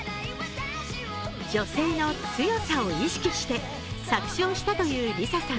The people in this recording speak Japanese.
女性の強さを意識して作詞をしたというＬｉＳＡさん。